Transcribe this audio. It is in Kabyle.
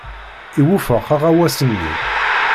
Iwufeq aɣawas-nni?